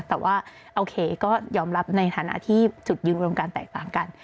แต่ว่าโอเคก็ยอมรับในฐานะที่จุดยืนรวมการแตกต่างกัน